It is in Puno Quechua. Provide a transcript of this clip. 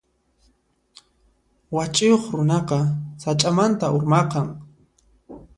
Wach'iyuq runaqa sach'amanta urmaqan.